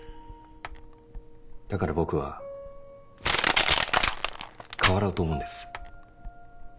だから僕は変わろうと思うんです。